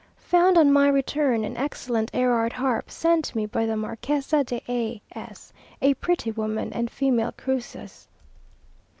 Found, on my return, an excellent Erard harp, sent me by the Marquesa de A s, a pretty woman and female Croesus.